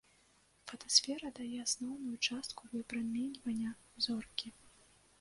Фотасфера дае асноўную частку выпраменьвання зоркі.